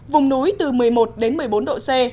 vùng núi từ một mươi một đến một mươi bốn độ c